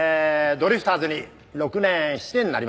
ドリフターズに６年７年になりますか。